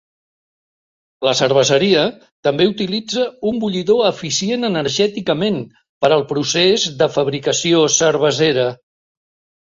La cerveseria també utilitza un bullidor eficient energèticament per al procés de fabricació cervesera.